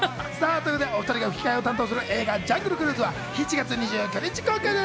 お２人が吹き替えを担当する映画『ジャングル・クルーズ』は７月２９日公開です。